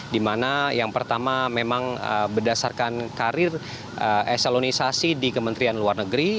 dimana yang pertama memang berdasarkan karir esalonisasi di kementerian luar negeri